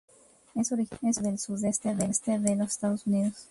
Es originario del sudeste de los Estados Unidos.